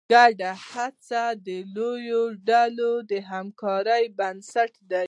ګډه هڅه د لویو ډلو د همکارۍ بنسټ دی.